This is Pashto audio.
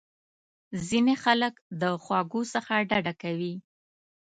ځینې خلک د خوږو څخه ډډه کوي.